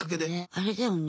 あれだよね